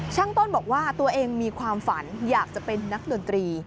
ต้นบอกว่าตัวเองมีความฝันอยากจะเป็นนักดนตรี